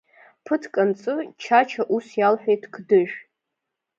Ԥыҭк анҵы Чача ус иалҳәеит Қдыжә…